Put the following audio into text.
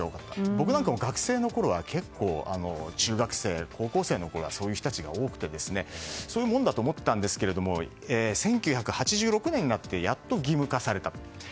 僕なんかも学生のころは中学生、高校生のころはそういう人たちが多くてそういうものだと思ってたんですが１９８６年になってやっと義務化されたと。